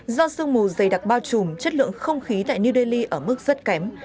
do sương mù dày đặc bao trùm chất lượng không khí tại new delhi ở mức rất kém